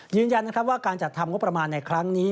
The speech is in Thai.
ยืนยันนะครับว่าการจัดทำงบประมาณในครั้งนี้